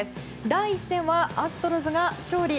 第１戦はアストロズが勝利。